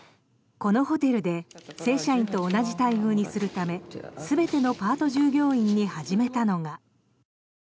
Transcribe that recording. このホテルで正社員と同じ待遇にするため全てのパート従業員に始めたのが。